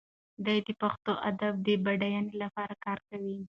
دی د پښتو ادب د بډاینې لپاره کار کوي.